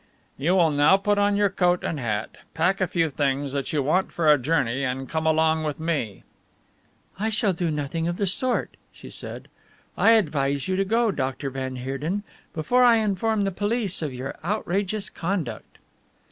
"You will now put on your coat and hat, pack a few things that you want for a journey, and come along with me." "I shall do nothing of the sort," she said, "I advise you to go, Dr. van Heerden, before I inform the police of your outrageous conduct."